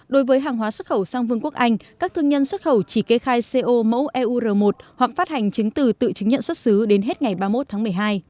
đối với hàng hóa xuất khẩu sang vương quốc anh các thương nhân xuất khẩu chỉ kê khai co mẫu eur một hoặc phát hành chứng từ tự chứng nhận xuất xứ đến hết ngày ba mươi một tháng một mươi hai